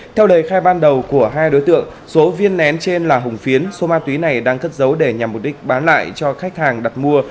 theo lời khai ban đầu của hai đối tượng số viên nén trên là hùng phiến số ma túy này đang cất giấu để nhằm mục đích bán lại cho khách hàng đặt mua